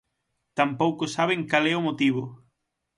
Tampouco saben cal é o motivo.